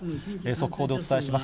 速報でお伝えします。